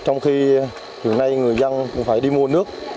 trong khi vừa nay người dân voạy đi mua nước